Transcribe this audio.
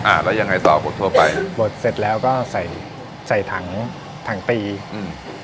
อ่าแล้วยังไงต่อบดทั่วไปบดเสร็จแล้วก็ใส่ใส่ถังถังตีอืม